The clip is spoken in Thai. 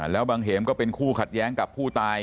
แล้วบางเหมก็เป็นคู่ขัดแย้งกับผู้ตาย